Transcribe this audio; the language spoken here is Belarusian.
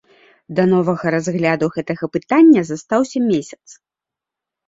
Да новага разгляду гэтага пытання застаўся месяц.